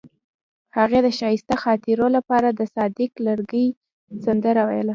هغې د ښایسته خاطرو لپاره د صادق لرګی سندره ویله.